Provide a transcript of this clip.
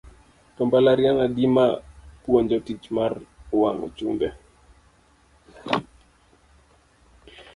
To mbalariany adi ma puonjo tich mar wang'o chumbe.